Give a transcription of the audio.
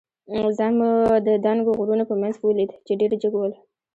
ځان مو د دنګو غرونو په منځ کې ولید، چې ډېر جګ ول.